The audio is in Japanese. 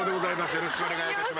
よろしくお願いします。